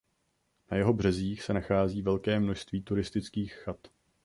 Na jeho březích se nachází velké množství turistických chat.